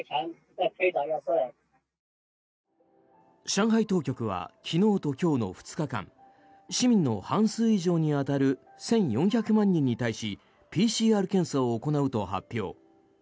上海当局は昨日と今日の２日間市民の半数以上に当たる１４００万人に対しＰＣＲ検査を行うと発表。